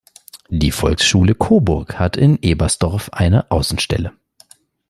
Die Volksschule Coburg hat in Ebersdorf eine Außenstelle.